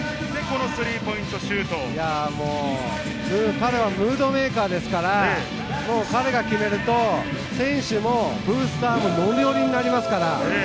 彼はムードメーカーですから、彼が決めると選手もブースターもノリノリになりますから。